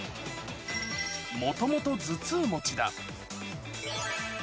もともと頭痛持ちだ。